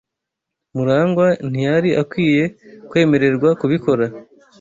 Murangwa ntiyari akwiye kwemererwa kubikora.